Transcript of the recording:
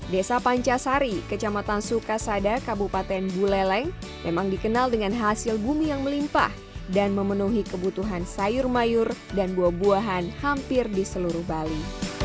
desa pancasari kecamatan sukasada kabupaten buleleng memang dikenal dengan hasil bumi yang melimpah dan memenuhi kebutuhan sayur mayur dan buah buahan hampir di seluruh bali